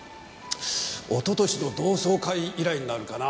一昨年の同窓会以来になるかな。